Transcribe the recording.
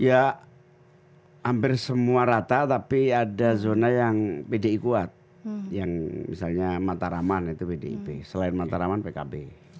ya hampir semua rata tapi ada zona yang pdi kuat yang misalnya mataraman itu pdip selain mataraman pkb